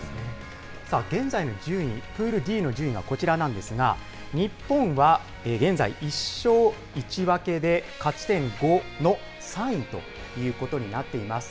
さあ、現在の順位、プールＤの順位はこちらなんですが、日本は現在、１勝１分けで勝ち点５の３位ということになっています。